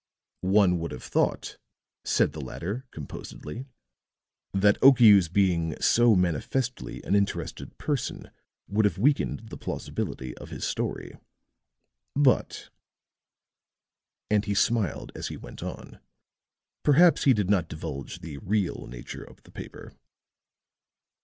"One would have thought," said the latter, composedly, "that Okiu's being so manifestly an interested person would have weakened the plausibility of his story. But," and he smiled as he went on, "perhaps he did not divulge the real nature of the paper."